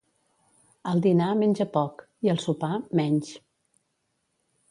Al dinar, menja poc; i al sopar, menys.